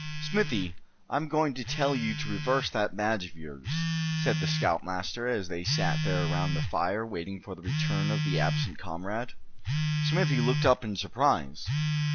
"Smithy, I'm going to tell you to reverse that badge of yours," said the scoutmaster, as they sat there around the fire, waiting for the return of the absent comrade. Smithy looked up in surprise.